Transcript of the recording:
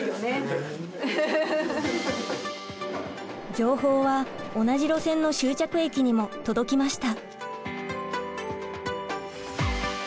情報は同じ路線の終着駅にも届きました。